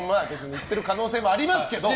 行ってる可能性もありますけどね。